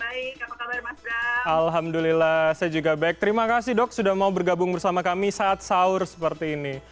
alhamdulillah saya juga baik terima kasih dok sudah mau bergabung bersama kami saat sahur seperti ini